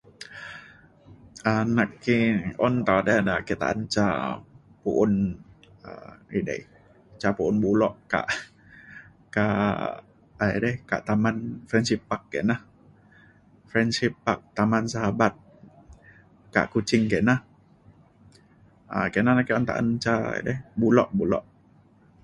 um naki- un tau to de ake ta’an ca pu’un um edei ca pu’un bulok kak kak edei kak taman Friendship Park kina. Friendship Park Taman Sahabat kak Kuching kina um kina na ke un ta’an ca edei bulok bulok.